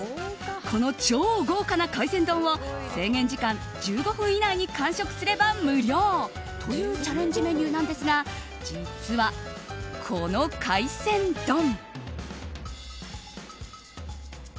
この超豪華な海鮮丼を制限時間１５分以内に完食すれば無料というチャレンジメニューなんですが実は、この海鮮丼。